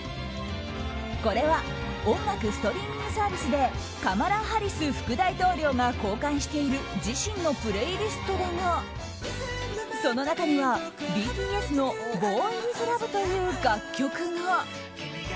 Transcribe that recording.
これは音楽ストリーミングサービスでカマラ・ハリス副大統領が公開している自身のプレイリストだがその中には、ＢＴＳの「ＢｏｙＷｉｔｈＬｕｖ」という楽曲が。